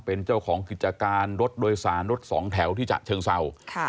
เป็นเจ้าของกิจการรถโดยสารรถสองแถวที่ฉะเชิงเศร้า